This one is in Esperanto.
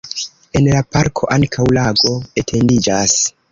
En la parko ankaŭ lago etendiĝas.